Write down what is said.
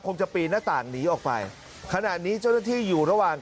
จะปีนหน้าต่างหนีออกไปขณะนี้เจ้าหน้าที่อยู่ระหว่าง